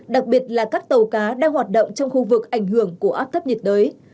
đặc biệt là các tàu cá đang hoạt động trong khu vực ảnh hưởng của áp thấp nhiệt đới